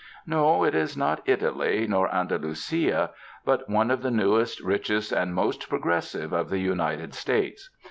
No, it is not Italy, nor Andalusia ; but one of the newest, richest and most progressive of the United States.